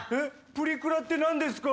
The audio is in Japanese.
プリクラってなんですか？